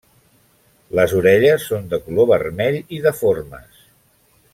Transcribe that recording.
Les orelles són de color vermell i deformes.